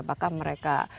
apakah mereka pedagang